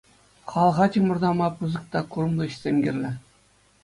Халӑха чӑмӑртама пысӑк та курӑмлӑ ӗҫсем кирлӗ.